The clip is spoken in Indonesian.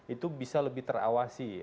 itu bisa lebih terawasi